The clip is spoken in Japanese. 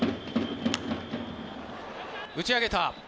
打ち上げた。